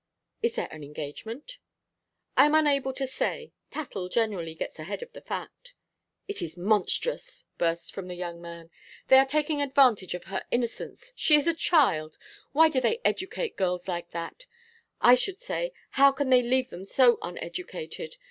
'Is there an engagement?' 'I am unable to say. Tattle generally gets ahead of fact.' 'It is monstrous!' burst from the young man. 'They are taking advantage of her innocence. She is a child. Why do they educate girls like that? I should say, how can they leave them so uneducated?